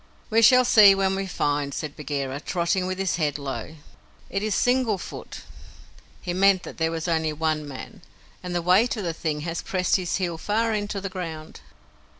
"We shall see when we find," said Bagheera, trotting with his head low. "It is single foot" (he meant that there was only one man), "and the weight of the thing has pressed his heel far into the ground."